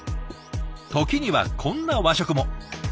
時にはこんな和食も。